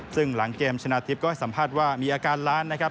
ซึ่งหลังเกมชนะทิพย์ก็ให้สัมภาษณ์ว่ามีอาการล้านนะครับ